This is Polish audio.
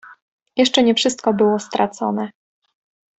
"Jeszcze nie wszystko było stracone."